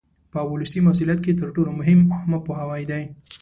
په ولسي مسؤلیت کې تر ټولو مهم عامه پوهاوی دی.